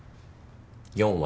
４割。